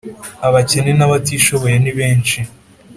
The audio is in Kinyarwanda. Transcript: Abakene n’abatishoboye nibenshi